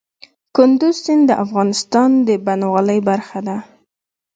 کندز سیند د افغانستان د بڼوالۍ برخه ده.